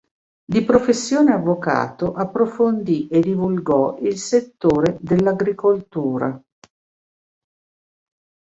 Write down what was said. Di professione avvocato, approfondì e divulgò il settore dell'agricoltura.